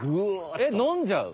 えっ飲んじゃう？